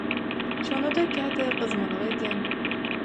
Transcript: Şonda-da käte gyzmalyk edýäň